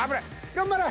頑張れ！